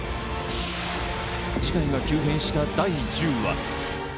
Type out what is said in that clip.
事態が急変した第１０話。